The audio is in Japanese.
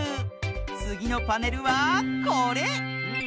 つぎのパネルはこれ！